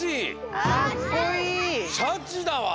シャチだわ。